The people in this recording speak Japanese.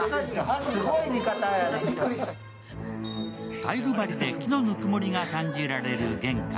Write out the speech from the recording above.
タイル張りで木のぬくもりが感じられる玄関。